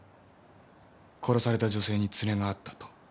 殺された女性に連れがあったと。